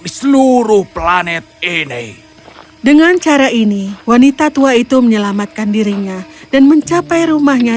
di seluruh planet ini dengan cara ini wanita tua itu menyelamatkan dirinya dan mencapai rumahnya